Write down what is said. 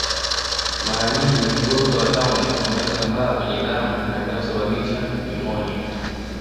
Mara nyingi mgonjwa wa tauni inayosambaa kwenye damu na inayosababisha nyumonia